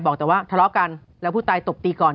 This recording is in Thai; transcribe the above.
แต่ว่าทะเลาะกันแล้วผู้ตายตบตีก่อน